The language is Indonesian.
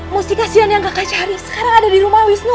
mustikasion yang kakak cari sekarang ada di rumah wisnu